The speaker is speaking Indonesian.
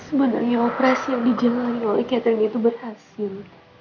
sebenarnya operasi yang dijalani oleh catering itu berhasil